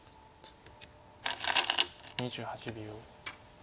２８秒。